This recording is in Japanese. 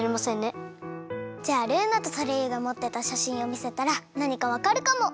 じゃあルーナとソレイユがもってたしゃしんをみせたらなにかわかるかも！